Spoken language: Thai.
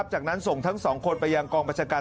จากนั้นส่งทั้งสองคนไปยังกองประชาการ